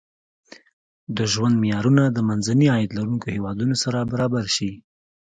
د ژوند معیارونه د منځني عاید لرونکو هېوادونو سره برابر شي.